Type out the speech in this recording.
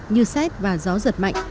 như xét và gió giật mạnh